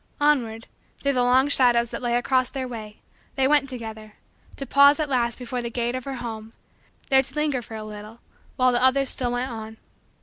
Onward, through the long shadows that lay across their way, they went together, to pause at last before the gate of her home, there to linger for a little, while the others still went on.